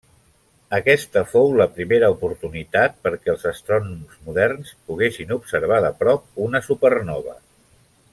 Aquesta fou la primera oportunitat perquè els astrònoms moderns poguessin observar de prop una supernova.